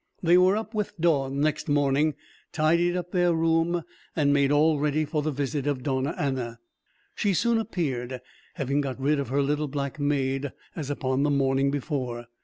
They were up with dawn, next morning, tidied up their room, and made all ready for the visit of Donna Anna. She soon appeared, having got rid of her little black maid, as upon the morning before.